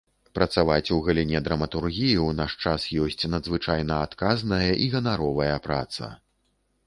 Працаваць у галіне драматургіі ў наш час ёсць надзвычайна адказная і ганаровая праца.